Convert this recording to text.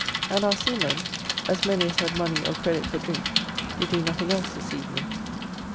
] And our seamen, as many as had money or credit for drink, did do nothing else this evening.